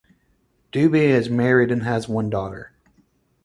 Dubey is married and has one daughter.